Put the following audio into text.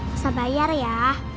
gak usah bayar ya